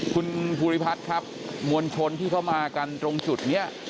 คุณภูริพัฒน์ครับมวลชนที่เขามากันตรงจุดนี้